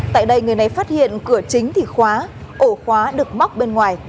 tại đây người này phát hiện cửa chính thì khóa ổ khóa được móc bên ngoài